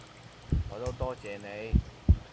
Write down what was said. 我都多謝你